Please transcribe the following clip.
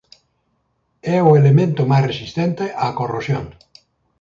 É o elemento máis resistente á corrosión.